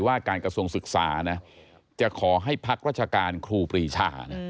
ว่าการกระทรวงศึกษานะจะขอให้พักราชการครูปรีชา